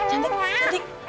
ya cantik cantik